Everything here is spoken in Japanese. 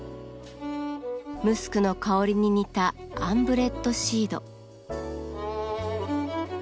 ムスクの香りに似たアンブレットシード。